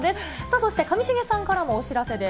そして上重さんからもお知らせです。